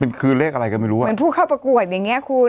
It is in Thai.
มันคือเลขอะไรก็ไม่รู้อ่ะเหมือนผู้เข้าประกวดอย่างเงี้ยคุณ